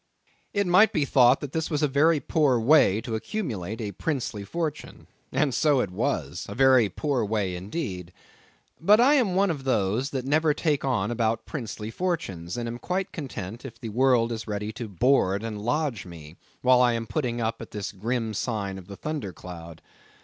It might be thought that this was a poor way to accumulate a princely fortune—and so it was, a very poor way indeed. But I am one of those that never take on about princely fortunes, and am quite content if the world is ready to board and lodge me, while I am putting up at this grim sign of the Thunder Cloud.